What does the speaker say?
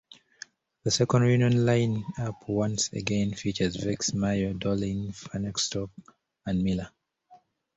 This second reunion line-up once again features Vext, Mayo, Doling, Fahnestock and Miller.